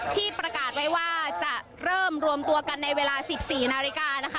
ที่ประกาศไว้ว่าจะเริ่มรวมตัวกันในเวลา๑๔นาฬิกานะคะ